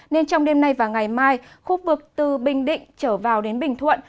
nên trong đêm nay và ngày mai khu vực từ bình định trở vào đến bình thuận